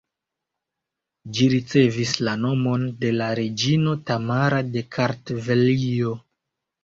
Ĝi ricevis la nomon de la reĝino Tamara de Kartvelio.